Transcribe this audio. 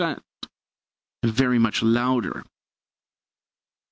_ very much louder.